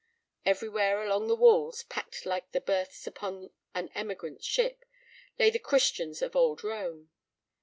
Everywhere along the walls, packed like the berths upon an emigrant ship, lay the Christians of old Rome.